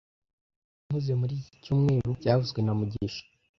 Nari mpuze muri iki cyumweru byavuzwe na mugisha